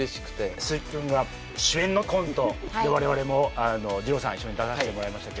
鈴木君が主演のコントで我々もじろうさん一緒に出させてもらいましたけど。